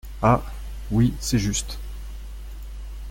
Ah ! oui, c’est juste !…